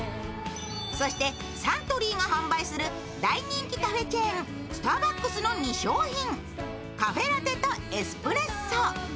そしてサントリーが販売する大人気カフェチェーンスターバックスの２商品カフェラテとエスプレッソ。